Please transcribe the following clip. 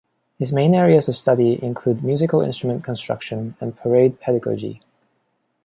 His main areas of study include musical instrument construction and parade pedagogy.